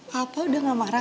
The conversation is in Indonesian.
papa udah gak marah